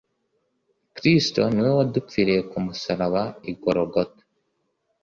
Kristo Ni we wadupfiriye k umusaraba igorogota